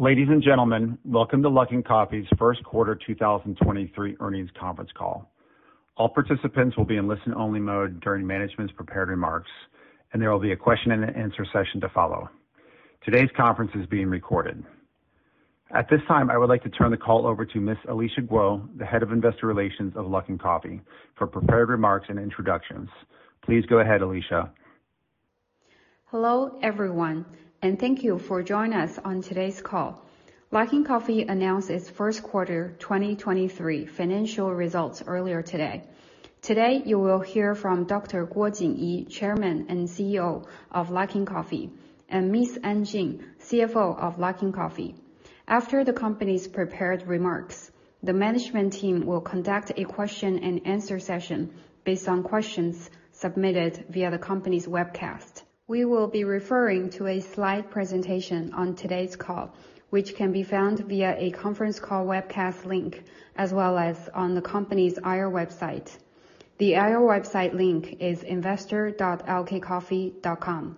Ladies and gentlemen, welcome to Luckin Coffee's first quarter 2023 earnings conference call. All participants will be in listen-only mode during management's prepared remarks, and there will be a question and answer session to follow. Today's conference is being recorded. At this time, I would like to turn the call over to Ms. Alicia Guo, the Head of Investor Relations of Luckin Coffee for prepared remarks and introductions. Please go ahead, Alicia. Hello everyone, thank you for joining us on today's call. Luckin Coffee announced its first quarter 2023 financial results earlier today. Today, you will hear from Dr. Guo Jinyi, Chairman and CEO of Luckin Coffee, and Ms. An Jing, CFO of Luckin Coffee. After the company's prepared remarks, the management team will conduct a question and answer session based on questions submitted via the company's webcast. We will be referring to a slide presentation on today's call, which can be found via a conference call webcast link as well as on the company's IR website. The IR website link is investor.lkcoffee.com.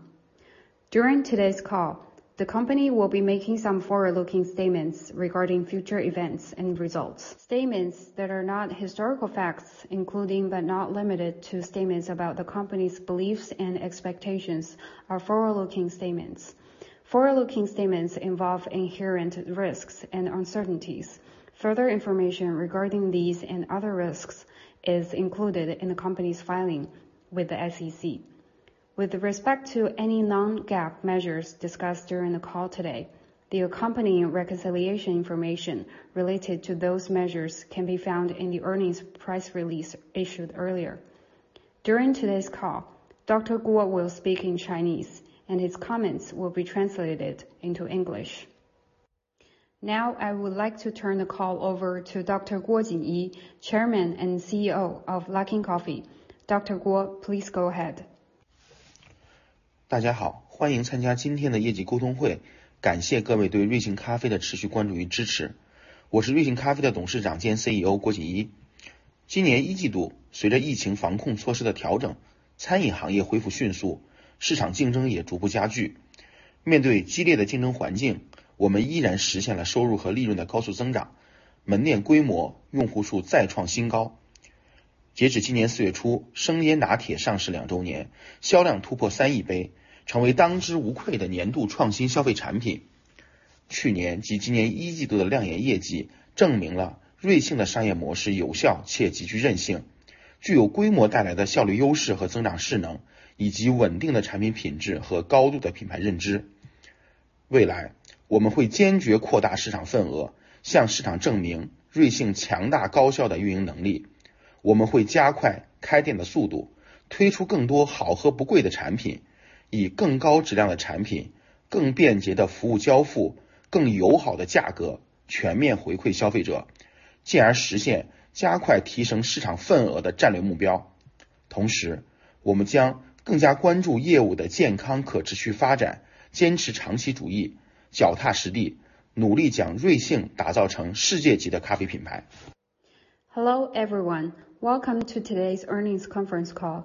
During today's call, the company will be making some forward-looking statements regarding future events and results. Statements that are not historical facts, including but not limited to statements about the company's beliefs and expectations, are forward-looking statements. Forward-looking statements involve inherent risks and uncertainties. Further information regarding these and other risks is included in the company's filing with the SEC. With respect to any non-GAAP measures discussed during the call today, the accompanying reconciliation information related to those measures can be found in the earnings press release issued earlier. During today's call, Dr. Guo will speak in Chinese and his comments will be translated into English. Now I would like to turn the call over to Dr. Guo Jinyi, Chairman and CEO of Luckin Coffee. Dr. Guo, please go ahead. 大家 好， 欢迎参加今天的业绩沟通 会， 感谢各位对瑞幸咖啡的持续关注与支持。我是瑞幸咖啡的董事长兼 CEO 国景伊。今年一季 度， 随着疫情防控措施的调 整， 餐饮行业恢复迅 速， 市场竞争也逐步加剧。面对激烈的竞争环 境， 我们依然实现了收入和利润的高速增 长， 门店规模、用户数再创新高。截止今年四月 初， 生椰拿铁上市两周 年， 销量突破三亿杯，成为当之无愧的年度创新消费产品。去年及今年一季度的亮眼业绩证明了瑞幸的商业模式有效且极具韧 性， 具有规模带来的效率优势和增长势 能， 以及稳定的产品品质和高度的品牌认知。未 来， 我们会坚决扩大市场份 额， 向市场证明瑞幸强大高效的运营能力。我们会加快开店的速 度， 推出更多好喝不贵的产品，以更高质量的产品、更便捷的服务交付、更友好的价格全面回馈消费 者， 进而实现加快提升市场份额的战略目标。同 时， 我们将更加关注业务的健康可持续发 展， 坚持长期主 义， 脚踏实 地， 努力将瑞幸打造成世界级的咖啡品牌。Hello everyone, welcome to today's earnings conference call.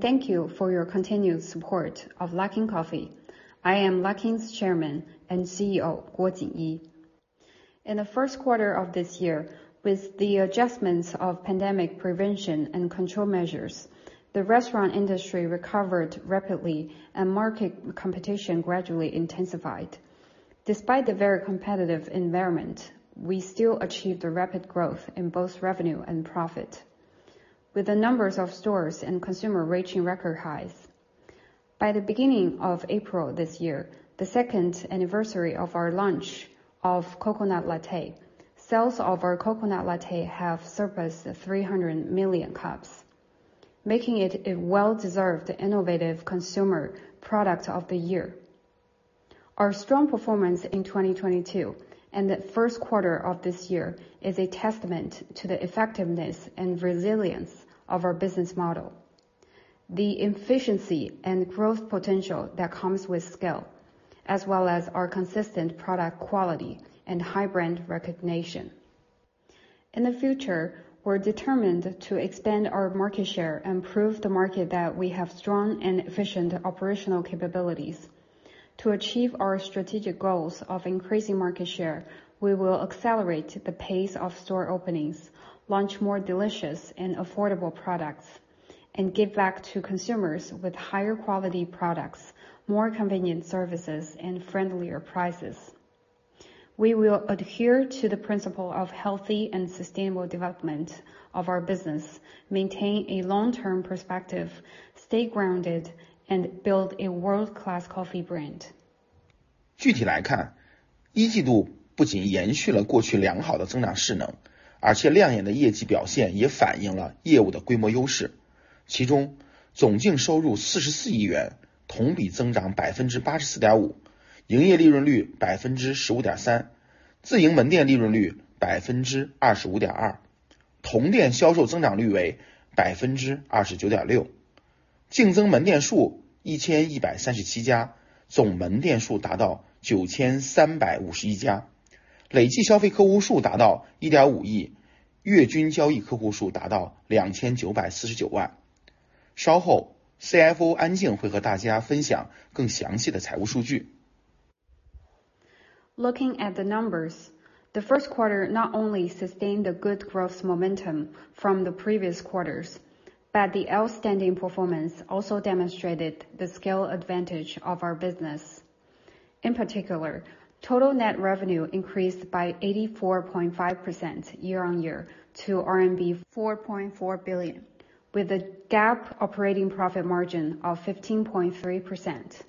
Thank you for your continued support of Luckin Coffee. I am Luckin's Chairman and CEO, Guo Jinyi. In the first quarter of this year, with the adjustments of pandemic prevention and control measures, the restaurant industry recovered rapidly and market competition gradually intensified. Despite the very competitive environment, we still achieved a rapid growth in both revenue and profit, with the numbers of stores and consumer reaching record highs. By the beginning of April this year, the second anniversary of our launch of Coconut Latte, sales of our Coconut Latte have surpassed 300 million cups, making it a well-deserved innovative consumer product of the year. Our strong performance in 2022 and the first quarter of this year is a testament to the effectiveness and resilience of our business model, the efficiency and growth potential that comes with scale, as well as our consistent product quality and high brand recognition. In the future, we're determined to expand our market share and prove the market that we have strong and efficient operational capabilities. To achieve our strategic goals of increasing market share, we will accelerate the pace of store openings, launch more delicious and affordable products, and give back to consumers with higher quality products, more convenient services, and friendlier prices. We will adhere to the principle of healthy and sustainable development of our business, maintain a long-term perspective, stay grounded, and build a world-class coffee brand. 具体来 看， 一季度不仅延续了过去良好的增长势能，而且亮眼的业绩表现也反映了业务的规模优势。其中总净收入四十亿亿 元， 同比增长百分之八十四点 五， 营业利润率百分之十五点 三， 自营门店利润率百分之二十五点 二， 同店销售增长率为百分之二十九点六。竞争门店数一千一百三十七 家， 总门店数达到九千三百五十一家，累计消费客户数达到一点五 亿， 月均交易客户数达到两千九百四十九万。稍后 CFO 安静会和大家分享更详细的财务数据。Looking at the numbers. The first quarter not only sustain the good growth momentum from the previous quarters, but the outstanding performance also demonstrated the skill advantage of our business. In particular, total net revenue increased by 84.5% year-on-year to RMB 4.4 billion with a GAAP operating profit margin of 15.3%.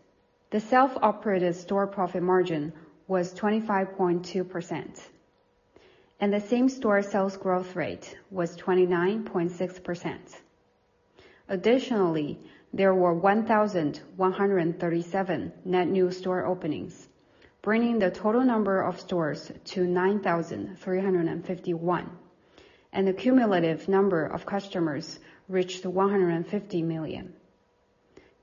The self-operated store profit margin was 25.2% and the same store sales growth rate was 29.6%. Additionally, there were 1,137 net new store openings, bringing the total number of stores to 9,351, and the cumulative number of customers reached 150 million.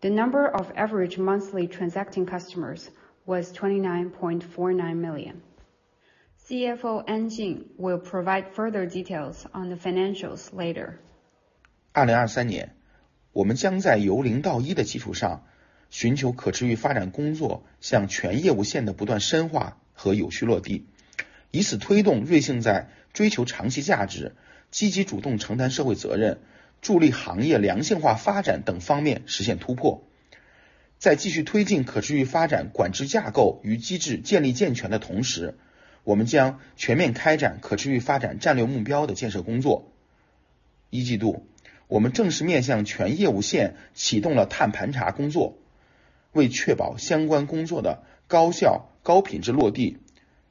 The number of average monthly transacting customers was 29.49 million. CFO An Jing will provide further details on the financials later. 二零二三 年， 我们将在由零到一的基础上，寻求可持续发展工 作， 向全业务线的不断深化和有序落 地， 以此推动瑞幸在追求长期价值、积极主动承担社会责任、助力行业良性化发展等方面实现突破。在继续推进可持续发展管制架构与机制建立健全的同 时， 我们将全面开展可持续发展战略目标的建设工作。一季 度， 我们正式面向全业务线启动了碳盘查工作。为确保相关工作的高效高品质落 地，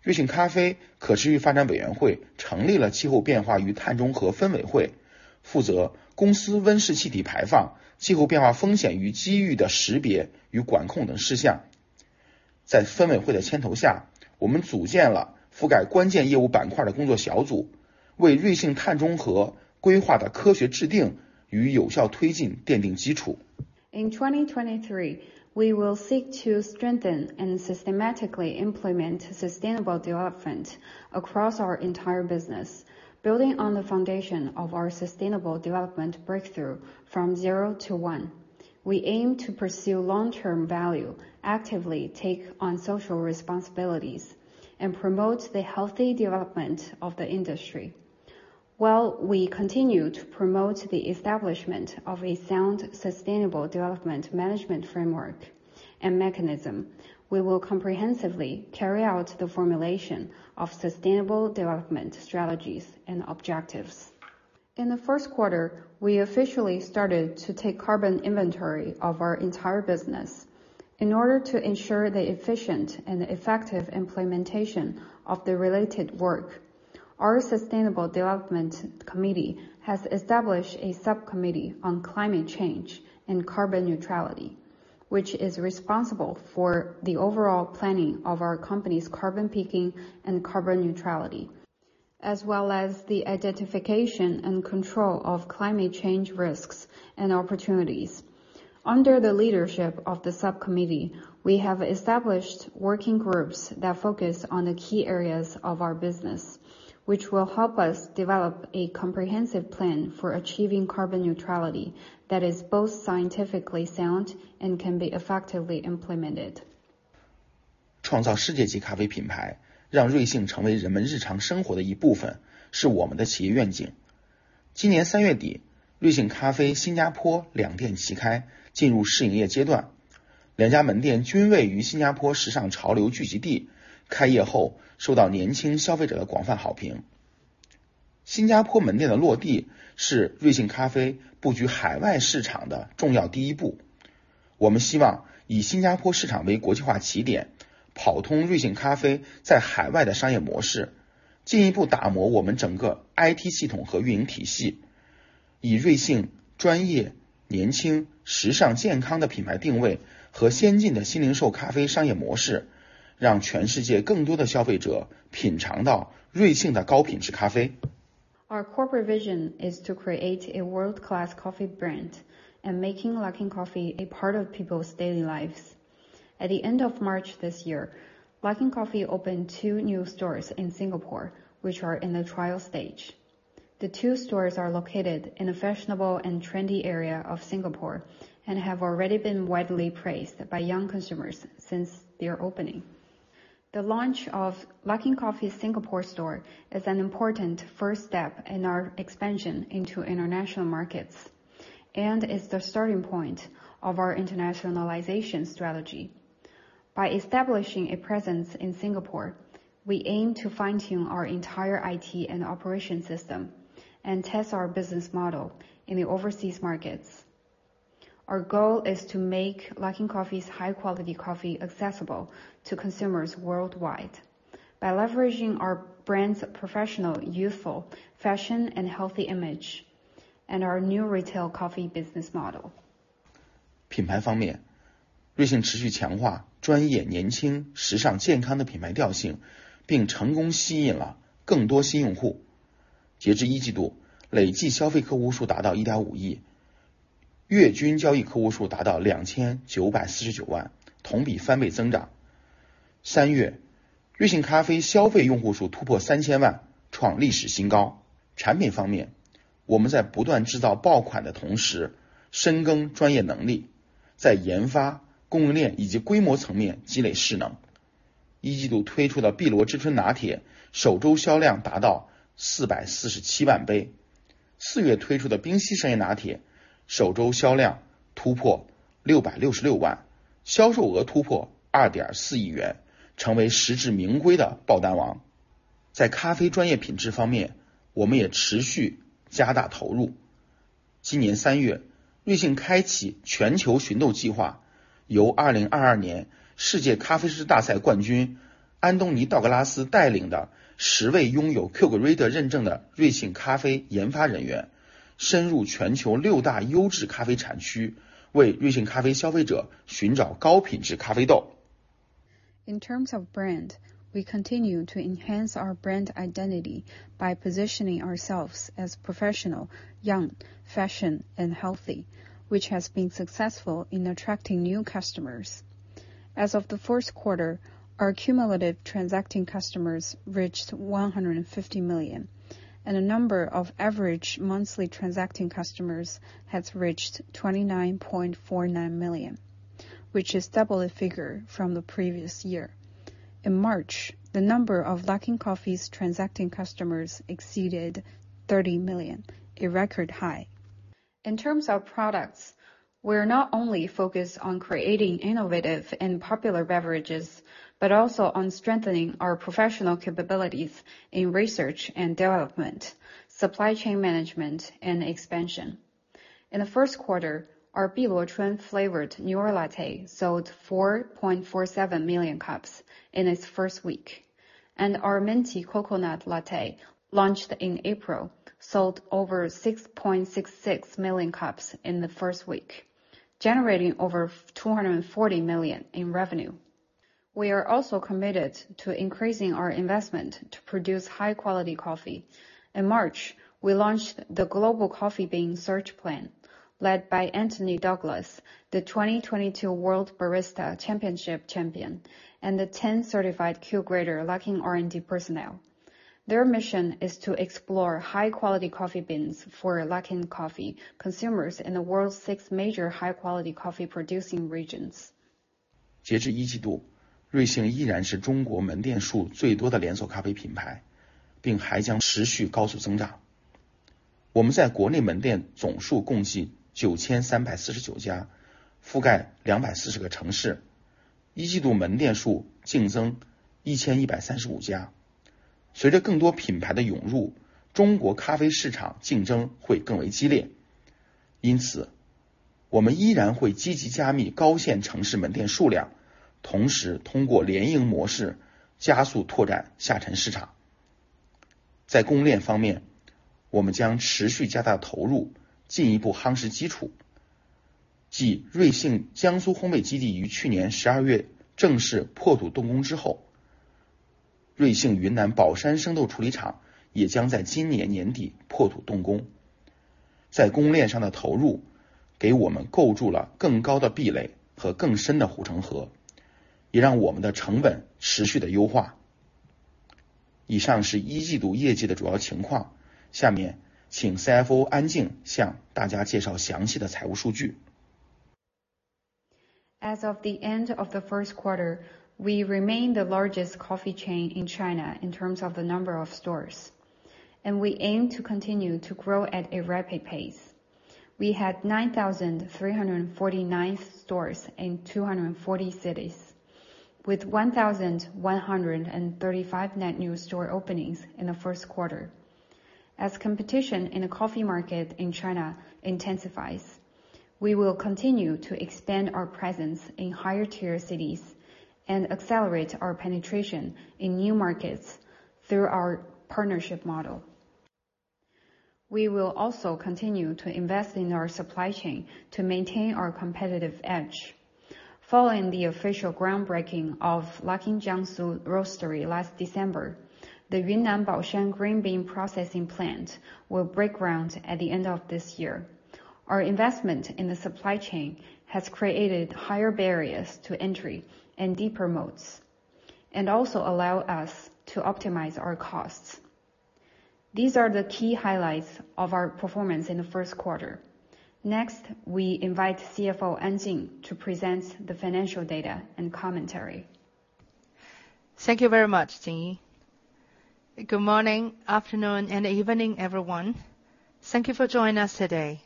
瑞幸咖啡可持续发展委员会成立了气候变化与碳中和分委 会， 负责公司温室气体排放、气候变化风险与机遇的识别与管控等事项。在分委会的牵头 下， 我们组建了覆盖关键业务板块的工作小 组， 为瑞幸碳中和规划的科学制定与有效推进奠定基础。In 2023, we will seek to strengthen and systematically implement Sustainable Development across our entire business. Building on the foundation of our Sustainable Development breakthrough from zero to one, we aim to pursue long-term value, actively take on social responsibilities and promote the healthy development of the industry. While we continue to promote the establishment of a sound, Sustainable Development management framework and mechanism, we will comprehensively carry out the formulation of Sustainable Development strategies and objectives. In the first quarter, we officially started to take carbon inventory of our entire business in order to ensure the efficient and effective implementation of the related work. Our Sustainable Development Committee has established a subcommittee on Climate Change and Carbon Neutrality, which is responsible for the overall planning of our company's carbon peaking and carbon neutrality, as well as the identification and control of climate change risks and opportunities. Under the leadership of the subcommittee, we have established working groups that focus on the key areas of our business, which will help us develop a comprehensive plan for achieving carbon neutrality that is both scientifically sound and can be effectively implemented. 创造世界级咖啡品 牌， 让瑞幸成为人们日常生活的一部 分， 是我们的企业愿景。今年三月 底， 瑞幸咖啡新加坡两店齐 开， 进入试营业阶段。两家门店均位于新加坡时尚潮流聚集地，开业后受到年轻消费者的广泛好评。新加坡门店的落地是瑞幸咖啡布局海外市场的重要第一步。我们希望以新加坡市场为国际化起 点， 跑通瑞幸咖啡在海外的商业模 式， 进一步打磨我们整个 IT 系统和运营体 系， 以瑞幸专业、年轻、时尚、健康的品牌定位和先进的新零售咖啡商业模式，让全世界更多的消费者品尝到瑞幸的高品质咖啡。Our corporate vision is to create a world-class coffee brand and making Luckin Coffee a part of people's daily lives. At the end of March this year, Luckin Coffee opened two new stores in Singapore, which are in the trial stage. The two stores are located in a fashionable and trendy area of Singapore, and have already been widely praised by young consumers since their opening. The launch of Luckin Coffee Singapore Store is an important first step in our expansion into international markets and is the starting point of our internationalization strategy. By establishing a presence in Singapore, we aim to fine-tune our entire IT and operation system and test our business model in the overseas markets. Our goal is to make Luckin Coffee's high quality coffee accessible to consumers worldwide by leveraging our brand's professional, youthful fashion and healthy image and our new retail coffee business model. 品牌方 面， 瑞幸持续强化专业、年轻、时尚、健康的品牌调 性， 并成功吸引了更多新用户。截至一季 度， 累计消费客户数达到一点五亿，月均交易客户数达到两千九百四十九 万， 同比翻倍增长。三月瑞幸咖啡消费用户数突破三千万创历史新高产品方面我们在不断制造爆款的同时深耕专业能力在研发、供应链以及规模层面积累势能一季度推出的碧螺之春拿铁首周销量达到四百四十七万杯四月推出的冰淇淋拿铁首周销量突破六百六十六万销售额突破二点四亿元成为实至名归的爆单王在咖啡专业品质方面我们也持续加大投入今年三月瑞幸开启全球寻豆计划由二零二二年世界咖啡师大赛冠军安东尼·道格拉斯带领的十位拥有 Q Grader 认证的瑞幸咖啡研发人员深入全球六大优质咖啡产区为瑞幸咖啡消费者寻找高品质咖啡豆 In terms of brand, we continue to enhance our brand identity by positioning ourselves as professional, young, fashion, and healthy, which has been successful in attracting new customers. As of the first quarter, our cumulative transacting customers reached 150 million, and the number of average monthly transacting customers has reached 29.49 million, which is double the figure from the previous year. In March, the number of Luckin Coffee's transacting customers exceeded 30 million, a record high. In terms of products, we're not only focused on creating innovative and popular beverages, but also on strengthening our professional capabilities in research and development, supply chain management, and expansion. In the first quarter, our Biluochun Flavored Newer Latte sold 4.47 million cups in its first week. Our Minty Coconut Latte, launched in April, sold over 6.66 million cups in the first week, generating over $240 million in revenue. We are also committed to increasing our investment to produce high-quality coffee. In March, we launched the Global Coffee Bean Search Plan, led by Anthony Douglas, the 2022 World Barista Championship champion, and the 10 certified Q Grader Luckin R&D personnel. Their mission is to explore high-quality coffee beans for Luckin Coffee consumers in the world's 6 major high-quality coffee producing regions. 截至一季度瑞幸依然是中国门店数最多的连锁咖啡品牌并还将持续高速增长我们在国内门店总数共计九千三百四十九家覆盖两百四十个城市一季度门店数净增一千一百三十五家随着更多品牌的涌入中国咖啡市场竞争会更为激烈因此我们依然会积极加密高线城市门店数量同时通过联营模式加速拓展下沉市场在供应链方面我们将持续加大投入进一步夯实基础即瑞幸江苏烘焙基地于去年十二月正式破土动工之后瑞幸云南保山生豆处理厂也将在今年年底破土动工在供应链上的投入给我们构筑了更高的壁垒和更深的护城河也让我们的成本持续地优化以上是一季度业绩的主要情况下面请 CFO 安静向大家介绍详细的财务数据 As of the end of the first quarter, we remain the largest coffee chain in China in terms of the number of stores, and we aim to continue to grow at a rapid pace. We had 9,349 stores in 240 cities, with 1,135 net new store openings in the first quarter. As competition in the coffee market in China intensifies, we will continue to expand our presence in higher-tier cities and accelerate our penetration in new markets through our partnership model. We will also continue to invest in our supply chain to maintain our competitive edge. Following the official groundbreaking of Luckin Jiangsu Roastery last December, the Yunnan Baoshan Green Bean Processing Plant will break ground at the end of this year. Our investment in the supply chain has created higher barriers to entry and deeper moats and also allow us to optimize our costs. These are the key highlights of our performance in the first quarter. We invite CFO An Jing to present the financial data and commentary. Thank you very much, Jingyi. Good morning, afternoon, and evening, everyone. Thank you for joining us today.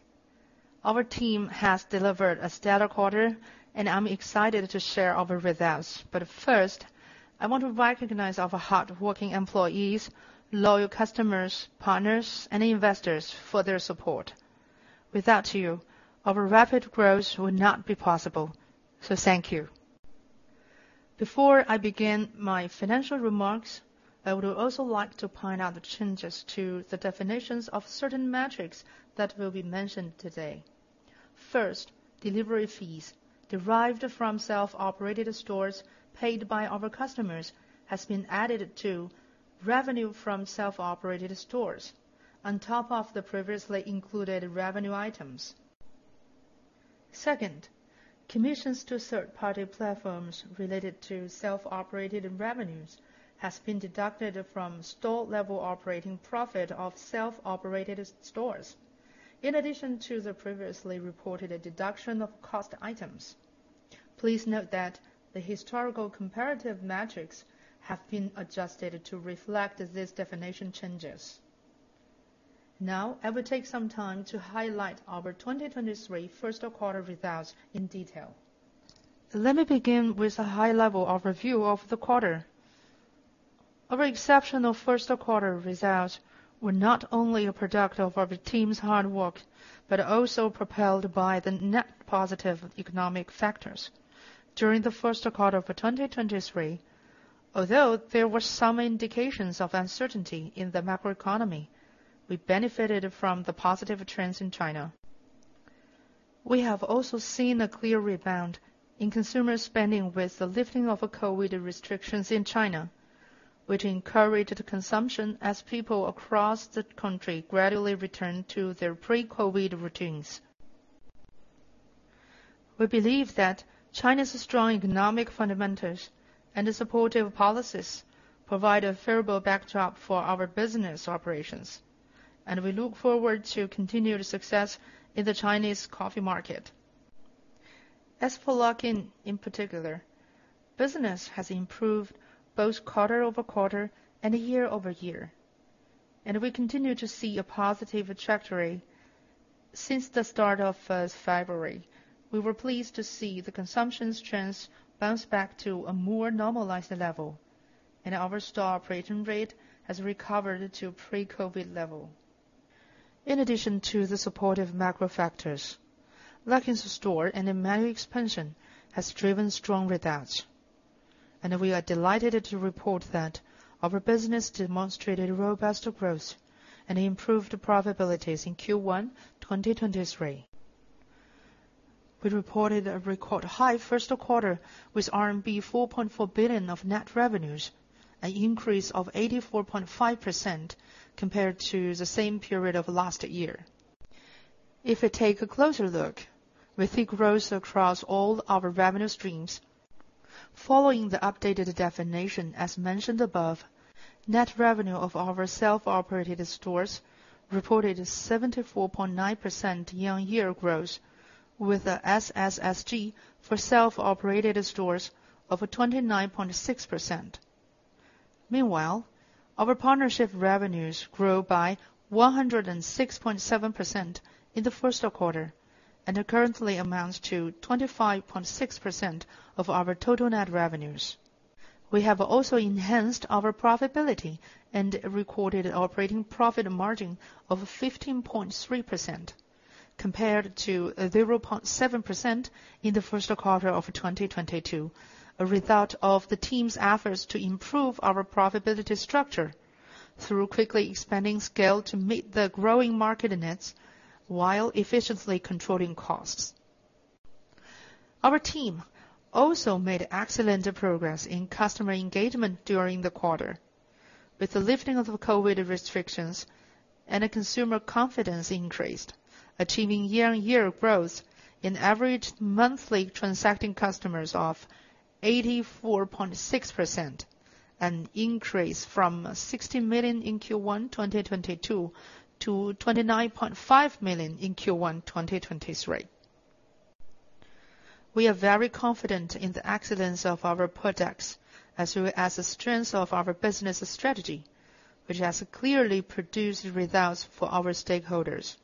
Our team has delivered a stellar quarter. I'm excited to share our results. First, I want to recognize our hardworking employees, loyal customers, partners, and investors for their support. Without you, our rapid growth would not be possible. Thank you. Before I begin my financial remarks, I would also like to point out the changes to the definitions of certain metrics that will be mentioned today. First, delivery fees derived from self-operated stores paid by our customers has been added to revenue from self-operated stores on top of the previously included revenue items. Second, commissions to third-party platforms related to self-operated revenues has been deducted from store level operating profit of self-operated stores, in addition to the previously reported deduction of cost items. Please note that the historical comparative metrics have been adjusted to reflect these definition changes. I will take some time to highlight our 2023 first quarter results in detail. Let me begin with a high level of review of the quarter. Our exceptional first quarter results were not only a product of our team's hard work, but also propelled by the net positive economic factors. During the first quarter of 2023, although there were some indications of uncertainty in the macroeconomy, we benefited from the positive trends in China. We have also seen a clear rebound in consumer spending with the lifting of COVID restrictions in China, which encouraged consumption as people across the country gradually returned to their pre-COVID routines. We believe that China's strong economic fundamentals and supportive policies provide a favorable backdrop for our business operations. We look forward to continued success in the Chinese coffee market. As for Luckin in particular, business has improved both quarter-over-quarter and year-over-year. We continue to see a positive trajectory. Since the start of February, we were pleased to see the consumption trends bounce back to a more normalized level. Our store operating rate has recovered to pre-COVID level. In addition to the supportive macro factors, Luckin's store and manual expansion has driven strong results. We are delighted to report that our business demonstrated robust growth and improved profitabilities in Q1 2023. We reported a record high first quarter with RMB 4.4 billion of net revenues, an increase of 84.5% compared to the same period of last year. If you take a closer look, we see growth across all our revenue streams. Following the updated definition, as mentioned above, net revenue of our self-operated stores reported 74.9% year-on-year growth with a SSSG for self-operated stores of 29.6%. Meanwhile, our partnership revenues grew by 106.7% in the first quarter, and currently amounts to 25.6% of our total net revenues. We have also enhanced our profitability and recorded operating profit margin of 15.3% compared to 0.7% in the first quarter of 2022, a result of the team's efforts to improve our profitability structure through quickly expanding scale to meet the growing market needs, while efficiently controlling costs. Our team also made excellent progress in customer engagement during the quarter. With the lifting of the COVID restrictions and the consumer confidence increased, achieving year-on-year growth in average monthly transacting customers of 84.6%, an increase from 60 million in Q1 2022, to 29.5 million in Q1 2023. We are very confident in the excellence of our products as the strength of our business strategy, which has clearly produced results for our stakeholders.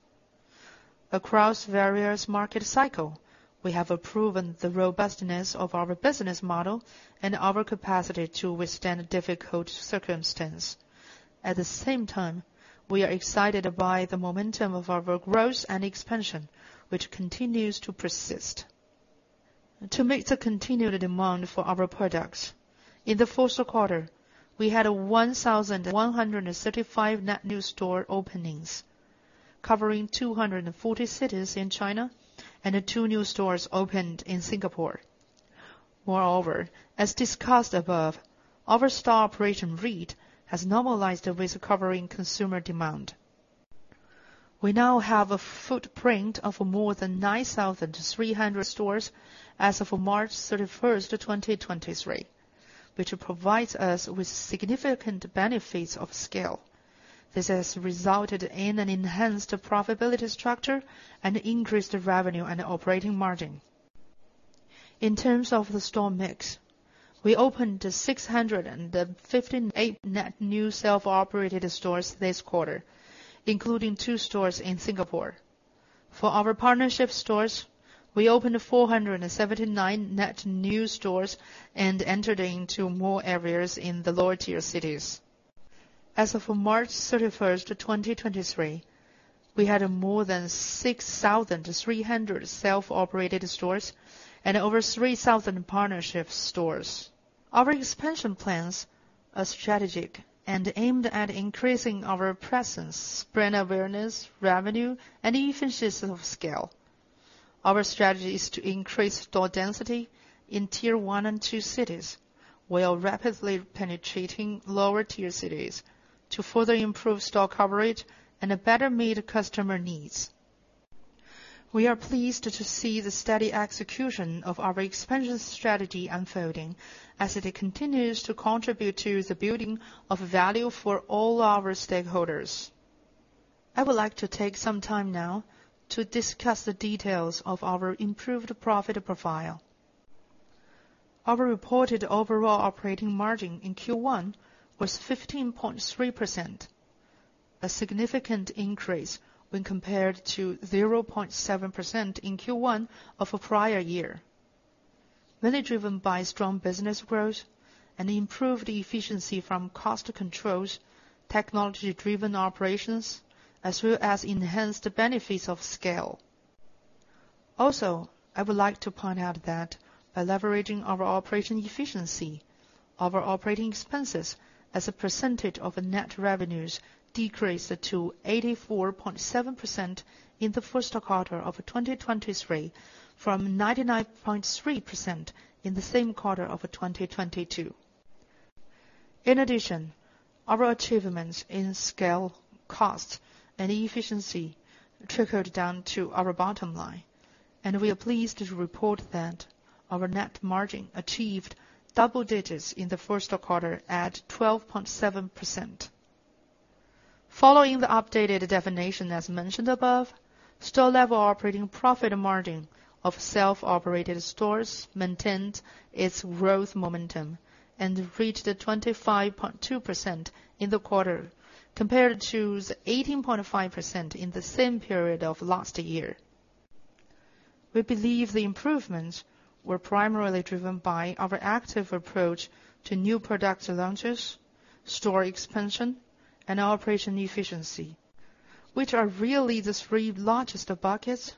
Across various market cycle, we have proven the robustness of our business model and our capacity to withstand difficult circumstance. At the same time, we are excited by the momentum of our growth and expansion, which continues to persist. To meet the continued demand for our products, in the first quarter, we had 1,135 net new store openings covering 240 cities in China and 2 new stores opened in Singapore. Moreover, as discussed above, our store operation read has normalized with recovering consumer demand. We now have a footprint of more than 9,300 stores as of March 31st, 2023, which provides us with significant benefits of scale. This has resulted in an enhanced profitability structure and increased revenue and operating margin. In terms of the store mix, we opened 658 net new self-operated stores this quarter, including two stores in Singapore. For our partnership stores, we opened 479 net new stores and entered into more areas in the lower tier cities. As of March 31st, 2023, we had more than 6,300 self-operated stores and over 3,000 partnership stores. Our expansion plans are strategic and aimed at increasing our presence, brand awareness, revenue, and efficiencies of scale. Our strategy is to increase store density in tier 1 and 2 cities, while rapidly penetrating lower tier cities. To further improve store coverage and better meet customer needs. We are pleased to see the steady execution of our expansion strategy unfolding, as it continues to contribute to the building of value for all our stakeholders. I would like to take some time now to discuss the details of our improved profit profile. Our reported overall operating margin in Q1 was 15.3%, a significant increase when compared to 0.7% in Q1 of a prior year. Mainly driven by strong business growth and improved efficiency from cost controls, technology-driven operations, as well as enhanced benefits of scale. I would like to point out that by leveraging our operating efficiency, our operating expenses as a percentage of net revenues decreased to 84.7% in the first quarter of 2023, from 99.3% in the same quarter of 2022. Our achievements in scale, cost, and efficiency trickled down to our bottom line, and we are pleased to report that our net margin achieved double digits in the first quarter at 12.7%. Following the updated definition as mentioned above, store-level operating profit margin of self-operated stores maintained its growth momentum and reached 25.2% in the quarter, compared to the 18.5% in the same period of last year. We believe the improvements were primarily driven by our active approach to new product launches, store expansion, and operation efficiency, which are really the three largest buckets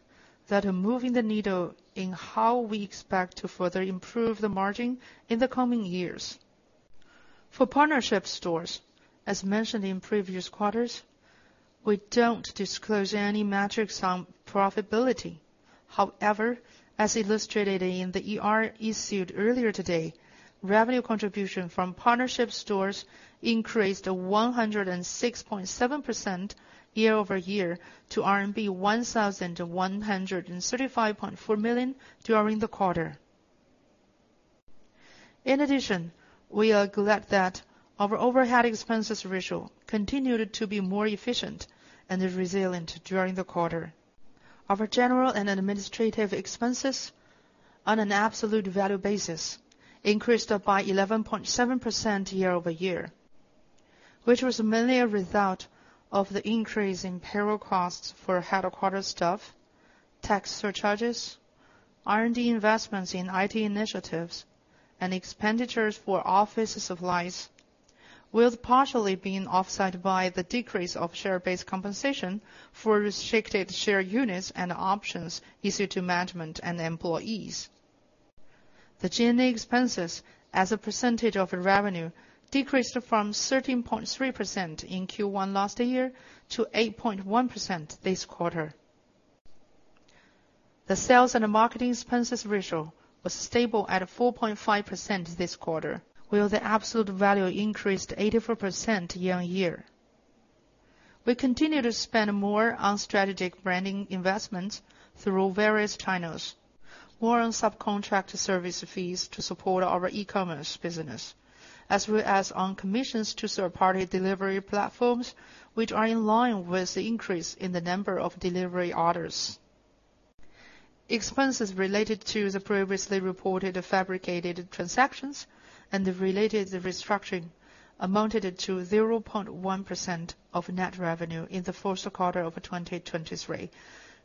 that are moving the needle in how we expect to further improve the margin in the coming years. For partnership stores, as mentioned in previous quarters, we don't disclose any metrics on profitability. However, as illustrated in the ER issued earlier today, revenue contribution from partnership stores increased 106.7% year-over-year to RMB 1,135.4 million during the quarter. In addition, we are glad that our overhead expenses ratio continued to be more efficient and resilient during the quarter. Our general and administrative expenses on an absolute value basis increased by 11.7% year-over-year, which was mainly a result of the increase in payroll costs for headquarters staff, tax surcharges, R&D investments in IT initiatives, and expenditures for office supplies, with partially being offset by the decrease of share-based compensation for restricted share units and options issued to management and employees. The G&A expenses as a percentage of revenue decreased from 13.3% in Q1 last year to 8.1% this quarter. The sales and marketing expenses ratio was stable at 4.5% this quarter, while the absolute value increased 84% year-on-year. We continue to spend more on strategic branding investments through various channels, more on subcontract service fees to support our e-commerce business, as well as on commissions to third-party delivery platforms, which are in line with the increase in the number of delivery orders. Expenses related to the previously reported fabricated transactions and the related restructuring amounted to 0.1% of net revenue in the first quarter of 2023,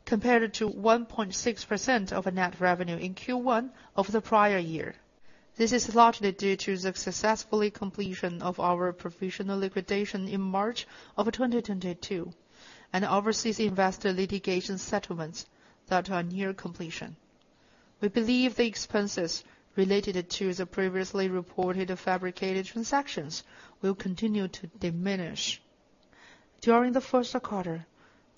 compared to 1.6% of net revenue in Q1 of the prior year. This is largely due to the successful completion of our provisional liquidation in March 2022, and overseas investor litigation settlements that are near completion. We believe the expenses related to the previously reported fabricated transactions will continue to diminish. During the first quarter,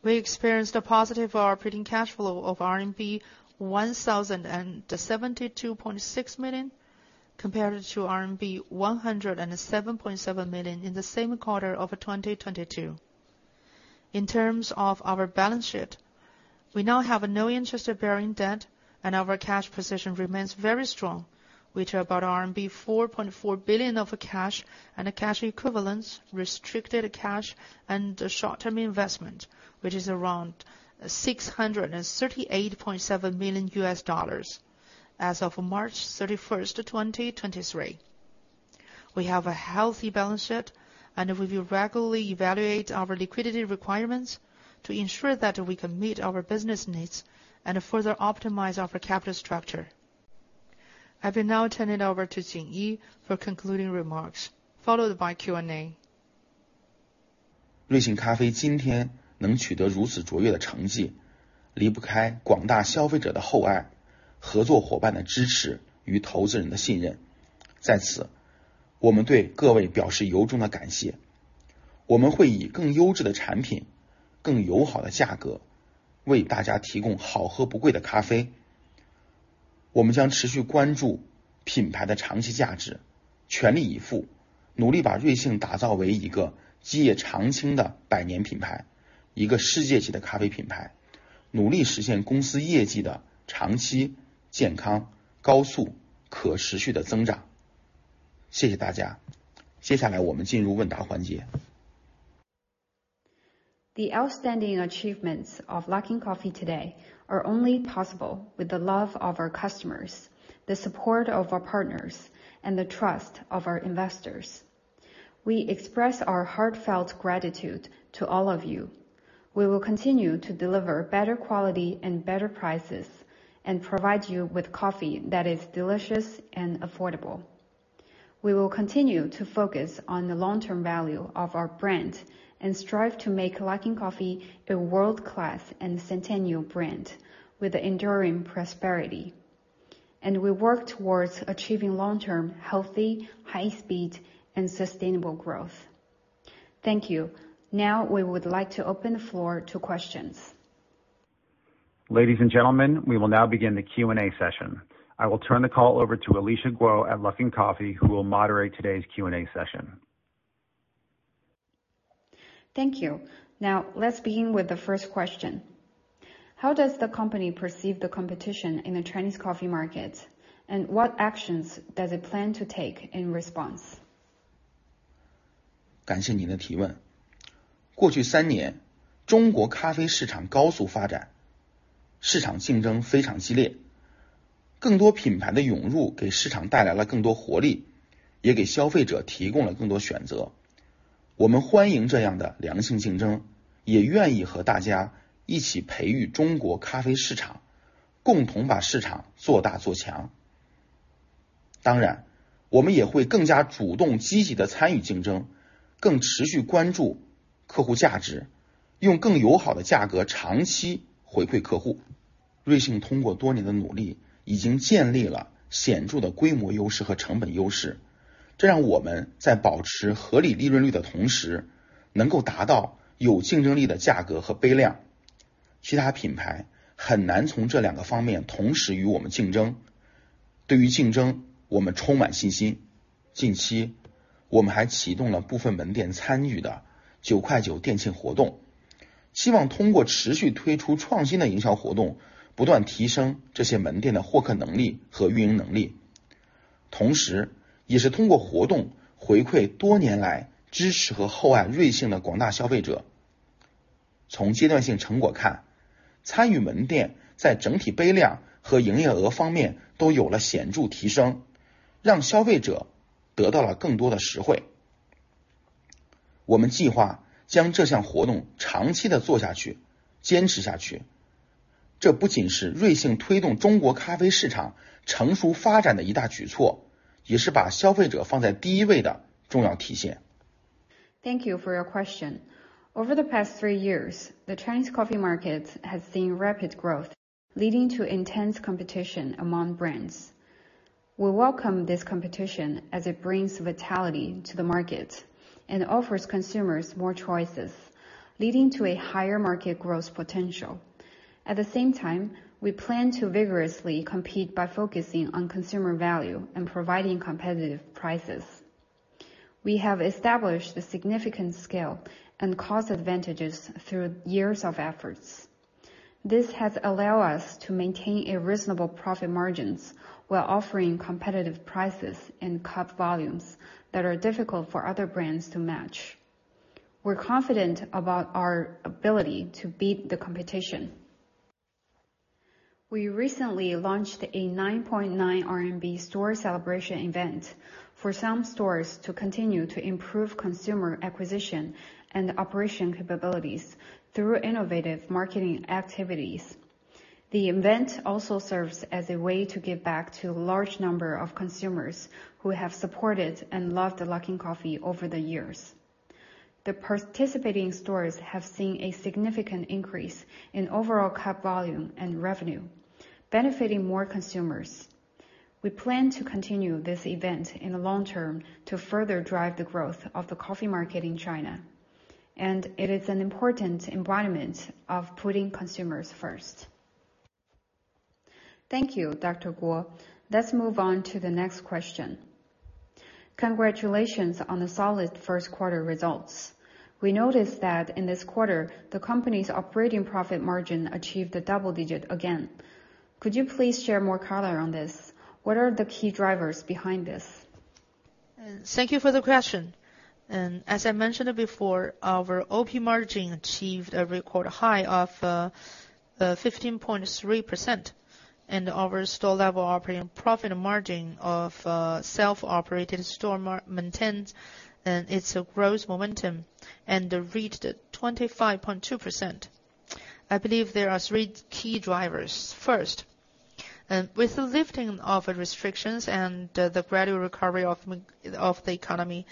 we experienced a positive operating cash flow of RMB 1,072.6 million, compared to RMB 107.7 million in the same quarter of 2022. In terms of our balance sheet, we now have no interest bearing debt, and our cash position remains very strong. We took about RMB 4.4 billion of cash and cash equivalents, restricted cash, and short-term investment, which is around $638.7 million as of March 31st, 2023. We have a healthy balance sheet, and we will regularly evaluate our liquidity requirements to ensure that we can meet our business needs and further optimize our capital structure. I will now turn it over to Jingyi for concluding remarks, followed by Q&A. 我们将持续关注品牌的长期价 值, 全力以 赴, 努力把瑞幸打造为一个基业常青的百年品 牌, 一个世界级的咖啡品 牌, 努力实现公司业绩的长期、健康、高速、可持续的增 长. 谢谢大 家. 接下来我们进入问答环 节. The outstanding achievements of Luckin Coffee today are only possible with the love of our customers, the support of our partners, and the trust of our investors. We express our heartfelt gratitude to all of you. We will continue to deliver better quality and better prices, and provide you with coffee that is delicious and affordable. We will continue to focus on the long-term value of our brand and strive to make Luckin Coffee a world-class and centennial brand with the enduring prosperity, and we work towards achieving long-term, healthy, high speed, and sustainable growth. Thank you. We would like to open the floor to questions. Ladies and gentlemen, we will now begin the Q&A session. I will turn the call over to Alicia Guo at Luckin Coffee, who will moderate today's Q&A session. Thank you. Now, let's begin with the first question. How does the company perceive the competition in the Chinese coffee market? What actions does it plan to take in response? 感谢您的提问。过去三 年， 中国咖啡市场高速发 展， 市场竞争非常激烈。更多品牌的涌入给市场带来了更多活 力， 也给消费者提供了更多选择。我们欢迎这样的良性竞 争， 也愿意和大家一起培育中国咖啡市 场， 共同把市场做大做强。当 然， 我们也会更加主动积极地参与竞 争， 更持续关注客户价 值， 用更友好的价格长期回馈客户。瑞幸通过多年的努 力， 已经建立了显著的规模优势和成本优势，这让我们在保持合理利润率的同 时， 能够达到有竞争力的价格和杯量。其他品牌很难从这两个方面同时与我们竞争。对于竞 争， 我们充满信心。近 期， 我们还启动了部分门店参与的九块九电竞活 动， 希望通过持续推出创新的营销活 动， 不断提升这些门店的获客能力和运营能力。同时也是通过活动回馈多年来支持和厚爱瑞幸的广大消费者。从阶段性成果 看， 参与门店在整体杯量和营业额方面都有了显著提 升， 让消费者得到了更多的实惠。我们计划将这项活动长期地做下 去， 坚持下去。这不仅是瑞幸推动中国咖啡市场成熟发展的一大举措，也是把消费者放在第一位的重要体现。Thank you for your question. Over the past three years, the Chinese coffee market has seen rapid growth, leading to intense competition among brands. We welcome this competition as it brings vitality to the market and offers consumers more choices, leading to a higher market growth potential. At the same time, we plan to vigorously compete by focusing on consumer value and providing competitive prices. We have established a significant scale and cost advantages through years of efforts. This has allow us to maintain a reasonable profit margins while offering competitive prices and cup volumes that are difficult for other brands to match. We're confident about our ability to beat the competition. We recently launched a 9.9 RMB Store Celebration Event for some stores to continue to improve consumer acquisition and operation capabilities through innovative marketing activities. The event also serves as a way to give back to a large number of consumers who have supported and loved Luckin Coffee over the years. The participating stores have seen a significant increase in overall cup volume and revenue, benefiting more consumers. We plan to continue this event in the long term to further drive the growth of the coffee market in China, and it is an important environment of putting consumers first. Thank you, Dr. Guo. Let's move on to the next question. Congratulations on the solid first quarter results. We noticed that in this quarter, the company's operating profit margin achieved the double digit again. Could you please share more color on this? What are the key drivers behind this? Thank you for the question. As I mentioned before, our OP margin achieved a record high of 15.3%. Our store level operating profit margin of self-operated store maintains, and it's a growth momentum and reached 25.2%. I believe there are three key drivers. First, with the lifting of restrictions and the gradual recovery of the economy,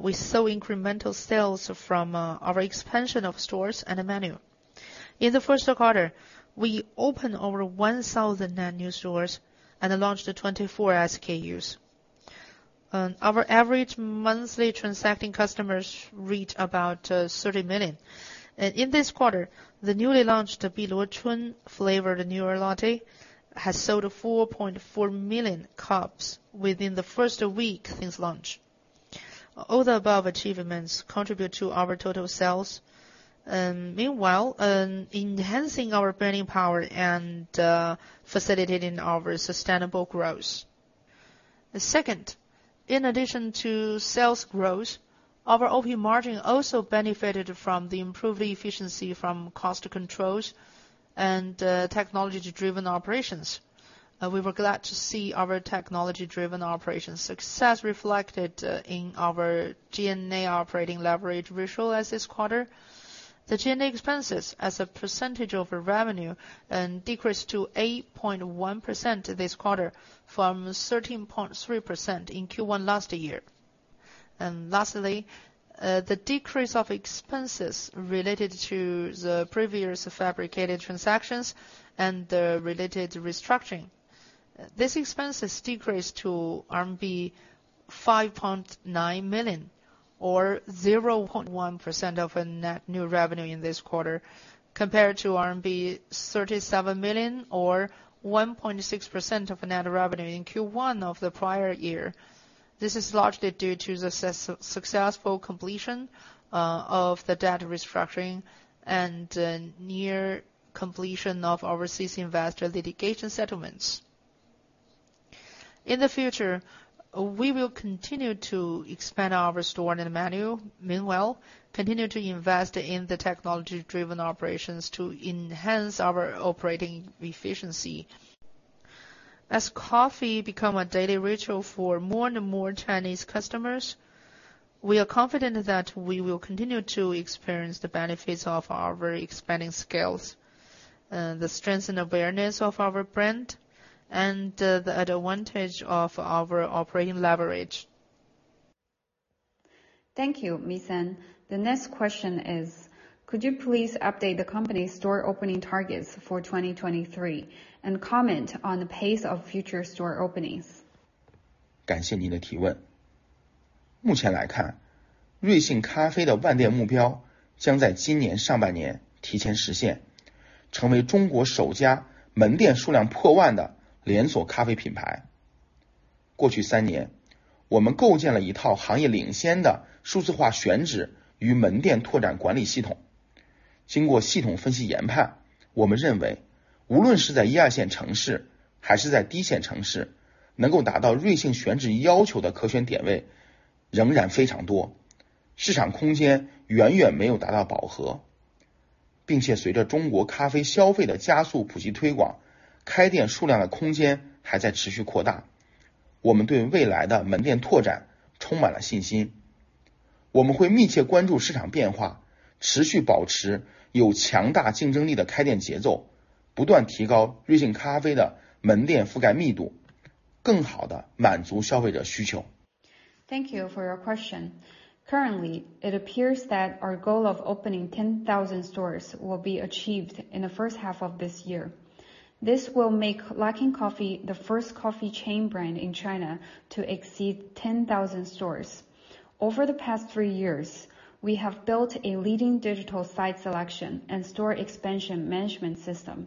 we saw incremental sales from our expansion of stores and menu. In the first quarter, we opened over 1,000 new stores and launched 24 SKUs. And our average monthly transacting customers reach about 30 million. In this quarter, the newly launched Biluochun Flavored Newer Latte has sold 4.4 million cups within the first week since launch. All the above achievements contribute to our total sales, meanwhile, enhancing our buying power and facilitating our sustainable growth. The second, in addition to sales growth, our OP margin also benefited from the improved efficiency from cost controls and technology-driven operations. We were glad to see our technology-driven operation success reflected in our G&A operating leverage visualize this quarter. The G&A expenses as a percentage of revenue and decreased to 8.1% this quarter from 13.3% in Q1 last year. Lastly, the decrease of expenses related to the previous fabricated transactions and the related restructuring. This expenses decreased to RMB 5.9 million, or 0.1% of a net new revenue in this quarter, compared to RMB 37 million or 1.6% of net revenue in Q1 of the prior year. This is largely due to the successful completion of the debt restructuring and near completion of overseas investor litigation settlements. In the future, we will continue to expand our store and menu, meanwhile continue to invest in the technology-driven operations to enhance our operating efficiency. As coffee become a daily ritual for more and more Chinese customers, we are confident that we will continue to experience the benefits of our expanding scales, the strength and awareness of our brand, and the advantage of our operating leverage. Thank you, An Jing. The next question is, could you please update the company store opening targets for 2023 and comment on the pace of future store openings? Thank you for your question. Currently, it appears that our goal of opening 10,000 stores will be achieved in the first half of this year. This will make Luckin Coffee the first coffee chain brand in China to exceed 10,000 stores. Over the past three years, we have built a leading digital site selection and store expansion management system.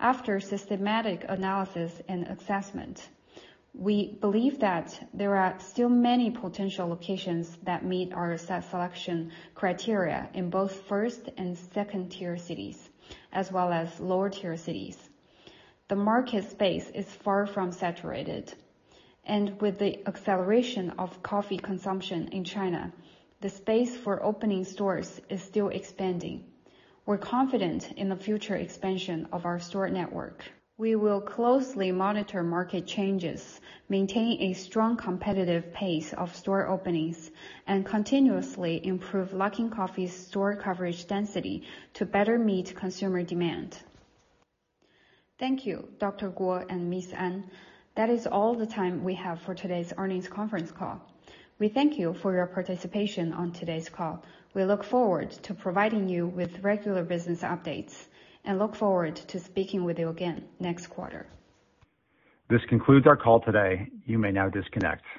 After systematic analysis and assessment, we believe that there are still many potential locations that meet our site selection criteria in both first and second-tier cities, as well as lower-tier cities. The market space is far from saturated, and with the acceleration of coffee consumption in China, the space for opening stores is still expanding. We're confident in the future expansion of our store network. We will closely monitor market changes, maintain a strong competitive pace of store openings, and continuously improve Luckin Coffee's store coverage density to better meet consumer demand. Thank you, Dr. Guo and Ms An. That is all the time we have for today's earnings conference call. We thank you for your participation on today's call. We look forward to providing you with regular business updates and look forward to speaking with you again next quarter. This concludes our call today. You may now disconnect.